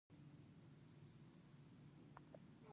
وري وویل اوبه له تا څخه ما ته راځي.